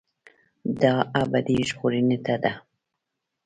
دا ابدي ژغورنې ته ده.